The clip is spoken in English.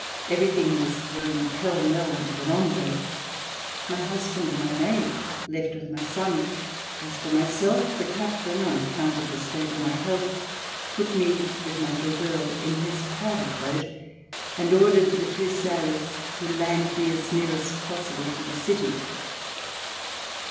Everything was thrown pell mell into the long boat. My husband and my maid left with my son. As for myself, the Caj)tain, on account of the state of my health, put me with my little girl in his private boat and ordered the two sailors to land me as near as possible to the city.